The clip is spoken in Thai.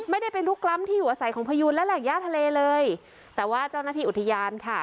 ไม่ได้เป็นลูกกล้ำที่หัวใสของพยูนและแหลกยาทะเลเลยแต่ว่าเจ้าหน้าที่อุทยานค่ะ